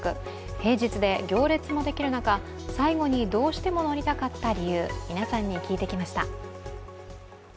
平日で行列もできる中、最後にどうしても乗りたかった理由、皆さんに聞いてきました。